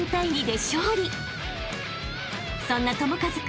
［そんな智和君